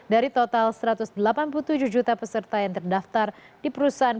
dari total satu ratus delapan puluh tujuh juta peserta yang terdaftar di perusahaan